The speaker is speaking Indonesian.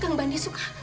kang bandi suka